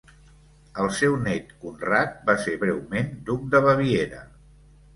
El seu nét Conrad va ser breument duc de Baviera.